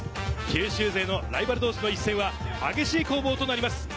九州勢のライバル同士の一戦は激しい攻防となります。